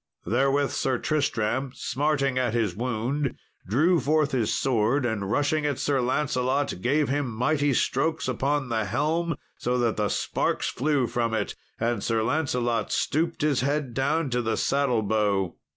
Therewith Sir Tristram, smarting at his wound, drew forth his sword, and rushing at Sir Lancelot, gave him mighty strokes upon the helm, so that the sparks flew from it, and Sir Lancelot stooped his head down to the saddle bow.